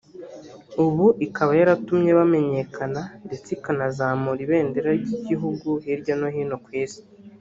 ubu ikaba yaratumye bamenyekana ndetse ikanazamura ibendera ry’igihugu hirya no hino ku isi